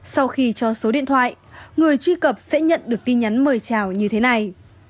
sau khi cho số điện thoại người truy cập sẽ nhận được tin nhắn mời trào như thế này